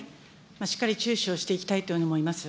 しっかり注視をしていきたいというふうに思います。